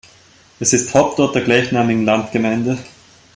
Es ist Hauptort der gleichnamigen Landgemeinde.